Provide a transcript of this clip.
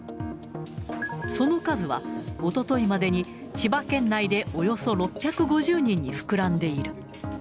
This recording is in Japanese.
その数は、おとといまでに、千葉県内でおよそ６５０人に膨らんでいる。